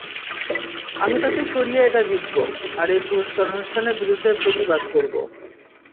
আমি তাঁকে সরিয়ে এটা জিতব, আর এই পুরষ্কার অনুষ্ঠানের বিরুদ্ধে প্রতিবাদ করবো।